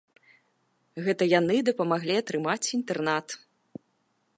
Гэта яны дапамаглі атрымаць інтэрнат.